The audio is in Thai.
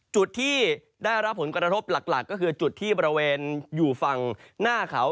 จุดที่ได้รับผลกระทบหลักก็คือจุดที่บริเวณอยู่ฝั่งหน้าเขา